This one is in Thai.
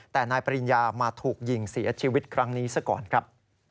แต่นายปริญญามาถูกยิงเสียชีวิตครั้งนี้ซะก่อนครับ